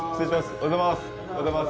おはようございます。